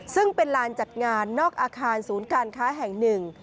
ซึ่งเป็นลานจัดงานนอกอาคารศูนย์การค้าแห่งหนึ่ง